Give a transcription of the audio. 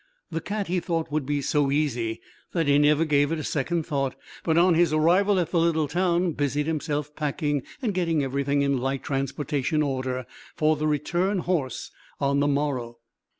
The cat he thought would be so easy that he never gave it a second thought, but on his arrival at the little town busied himself packing and getting everything in light transportation order for the "return horse" on the morrow.